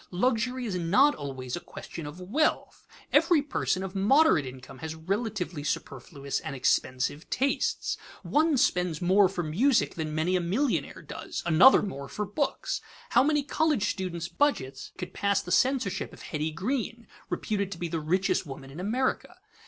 Luxury is not always a question of wealth. Every person of moderate income has relatively superfluous and expensive tastes. One spends more for music than many a millionaire does; another more for books. How many college students' budgets could pass the censorship of Hetty Green, reputed to be the richest woman in America?